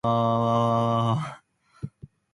大好きって最高に幸せでポジティブな言葉だよね